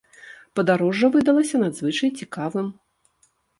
Падарожжа выдалася надзвычай цікавым.